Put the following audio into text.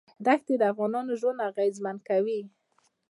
دښتې د افغانانو ژوند اغېزمن کوي.